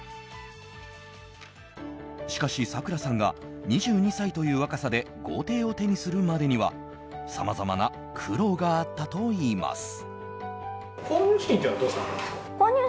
しかし、さくらさんが２２歳という若さで豪邸を手にするまでにはさまざまな苦労があったといいます。